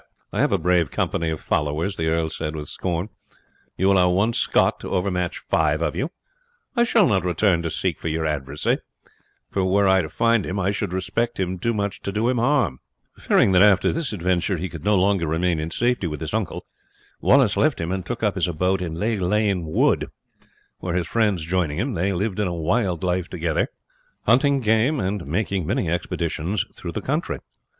"I have a brave company of followers!" the earl said with scorn. "You allow one Scot to overmatch five of you! I shall not return to seek for your adversary; for were I to find him I should respect him too much to do him harm." Fearing that after this adventure he could no longer remain in safety with his uncle, Wallace left him and took up his abode in Lag Lane Wood, where his friends joining him, they lived a wild life together, hunting game and making many expeditions through the country.